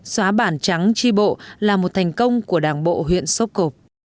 xóa bản trắng tri bộ là một thành công của đảng bộ huyện sốc cộp